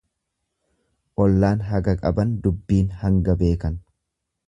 Ollaan haga qaban dubbiin hanga beekan.